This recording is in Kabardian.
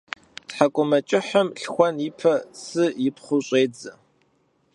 Тхьэкӏумэкӏыхьым лъхуэн ипэ цы ипхъыу щӏедзэ.